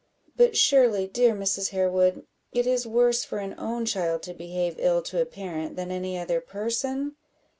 "But surely, dear Mrs. Harewood, it is worse for an own child to behave ill to a parent than any other person?"